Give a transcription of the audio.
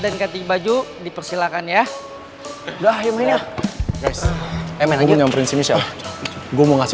dan ganti baju dipersilakan ya udah yang lainnya emangnya prinsipnya gua ngasih